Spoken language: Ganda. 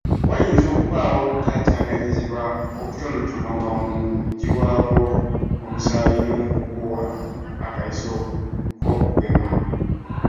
Wayinza okubaawo okutaataaganyizibwa okutonotono nga mu kuggyibwako omusaayi ne mu kukubwa akayiso k’okugema.